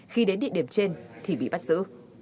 khi đến địa điểm trên thì bị bắt giữ